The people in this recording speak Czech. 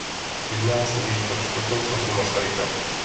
Jedná se již o čtvrtou sochu Masaryka.